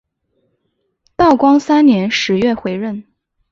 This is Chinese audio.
道光三年十月回任。